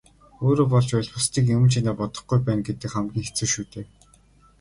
Өөрөө болж байвал бусдыг юман чинээ бодохгүй байна гэдэг хамгийн хэцүү шүү дээ.